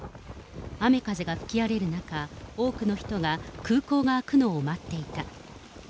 雨風が吹き荒れる中、多くの人が空港が開くのを待っていた。